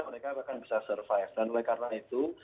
mereka akan bisa survive dan oleh karena itu